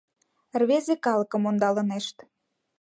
Рвезе калыкым ондалынешт